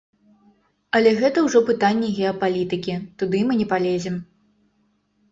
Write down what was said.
Але гэта ўжо пытанні геапалітыкі, туды мы не палезем.